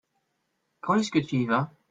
Quand est-ce que tu y vas ?